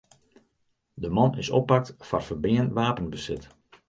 De man is oppakt foar ferbean wapenbesit.